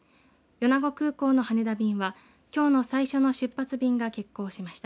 米子空港の羽田便はきょうの最初の出発便が欠航しました。